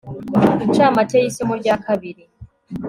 incamake y isomo rya kabiri